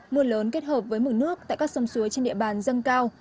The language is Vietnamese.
mưa lớn kết hợp với mực nước tại các sông suối trên địa bàn dâng cao